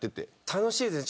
楽しいですね。